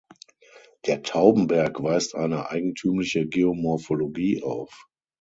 Der Taubenberg weist eine eigentümliche Geomorphologie auf.